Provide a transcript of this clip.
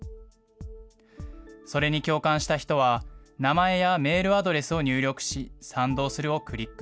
それに共感した人は、名前やメールアドレスを入力し、賛同するをクリック。